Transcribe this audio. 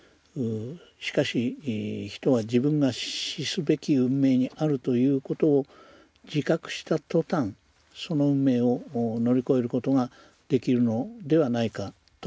しかし人は自分が死すべき運命にあるということを自覚した途端その運命を乗り越えることができるのではないかとも思いました。